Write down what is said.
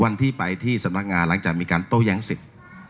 วันที่ไปที่สมัครงานหลังจากมีการโต้แย้งเสร็จ